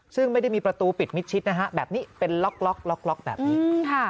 ซึ่งไม่ได้มีประตูปิดมิดชิดนะฮะแบบนี้เป็นล็อกล็อกแบบนี้